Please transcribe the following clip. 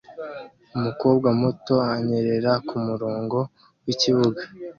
Umukobwa muto anyerera kumurongo wikibuga